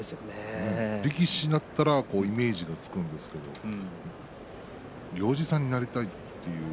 力士になったらというのはイメージがつくんですけれど行司さんになりたいという。